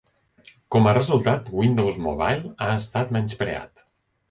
Com a resultat, Windows Mobile ha estat menyspreat.